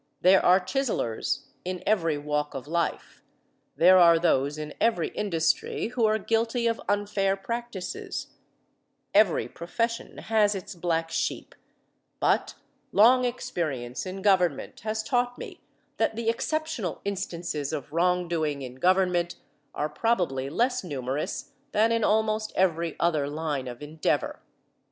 There are chiselers in every walk of life; there are those in every industry who are guilty of unfair practices; every profession has its black sheep, but long experience in government has taught me that the exceptional instances of wrong doing in government are probably less numerous than in almost every other line of endeavor.